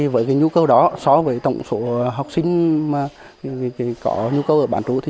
với nhu cầu đó so với tổng số học sinh có nhu cầu ở bán trú